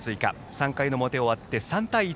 ３回の表終わって、３対１。